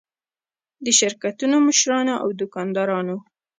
د شرکتونو مشرانو او دوکاندارانو.